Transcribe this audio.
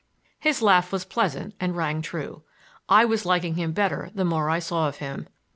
His laugh was pleasant and rang true. I was liking him better the more I saw of him.